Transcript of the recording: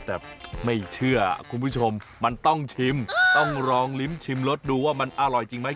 แต่ไม่เชื่อคุณผู้ชมมันต้องชิมต้องลองลิ้มชิมรสดูว่ามันอร่อยจริงไหม